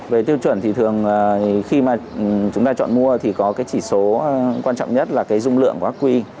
về tiêu chuẩn thì thường khi mà chúng ta chọn mua thì có cái chỉ số quan trọng nhất là cái dung lượng của aqi